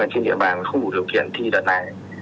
trên địa bàn không đủ điều kiện thi đợt này